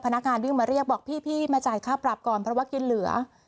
พนักงานวิ่งมาเรียกบอกพี่มาจ่ายค่าปรับก่อนเพราะว่ากินเหลือ